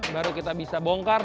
baru kita bisa bongkar